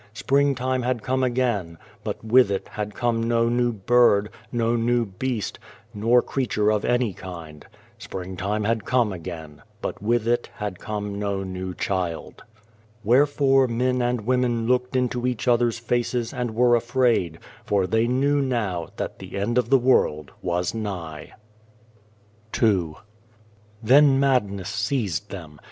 Spring time had come again, but with it had come no new bird, no new beast, nor creature of any kind. Spring time had come again, but with it had come no new child. Wherefore men and women looked into each other's faces and were afraid, for they knew now that the end of the world was nigh. 2 73 II THEN madness seized them.